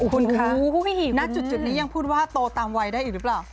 คุณคะณจุดนี้ยังพูดว่าโตตามวัยได้อีกหรือเปล่า